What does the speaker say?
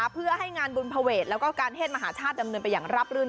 เพื่อให้งานบุญภเวทแล้วก็การเทศมหาชาติดำเนินไปอย่างราบรื่น